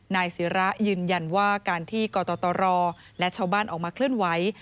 นายศิระยืนยันว่าการที่กตรและชาวบ้านออกมาเคลื่อนไหว